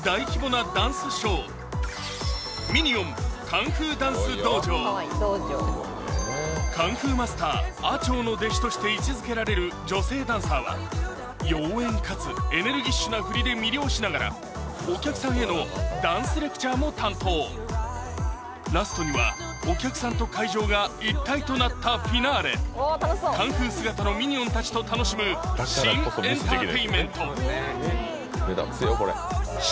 確かにでもこの夏ＵＳＪがカンフーマスターアチョーの弟子として位置づけられる女性ダンサーは妖艶かつエネルギッシュな振りで魅了しながらお客さんへのダンスレクチャーも担当ラストにはお客さんと会場が一体となったフィナーレカンフー姿のミニオンたちと楽しむ新エンターテインメント